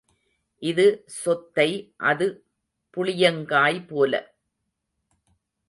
இது சொத்தை அது புளியங்காய் போல.